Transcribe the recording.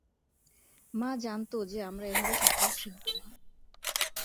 মা জানত যে আমরা এভাবে সাঁতার শিখব না।